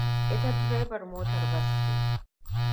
Ita direbar motar bus ce.